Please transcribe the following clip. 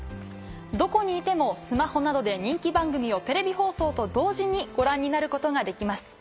どこにいてもスマホなどで人気番組をテレビ放送と同時にご覧になることができます。